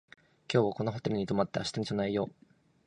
今日はこのホテルに泊まって明日に備えよう